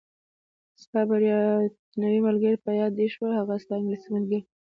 ستا بریتانوي ملګرې، په یاد دې شول؟ هغه ستا انګلیسۍ ملګرې.